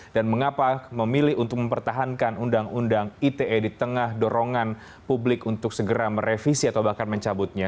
dan mengapa memilih untuk mempertahankan undang undang ite di tengah dorongan publik untuk segera merevisi atau bahkan mencabutnya